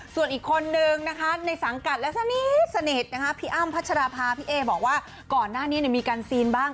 ส่วนอีกคนนึงนะคะในสังกัดและสนิทนะคะพี่อ้ำพัชราภาพี่เอบอกว่าก่อนหน้านี้มีการซีนบ้าง